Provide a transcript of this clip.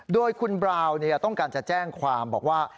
โดยคุณบราวต้องการจะแจ้งความบอกว่า